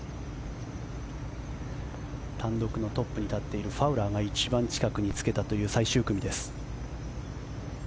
単独のトップに立っているファウラーが一番近くにつけたという最終組です。